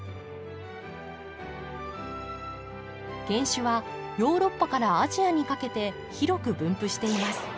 原種はヨーロッパからアジアにかけて広く分布しています。